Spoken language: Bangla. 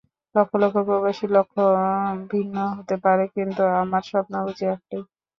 লক্ষ লক্ষ প্রবাসীর লক্ষ্য ভিন্ন হতে পারে, কিন্তু আমার স্বপ্ন বুঝি একটাই।